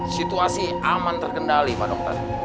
situasi aman terkendali pak dokter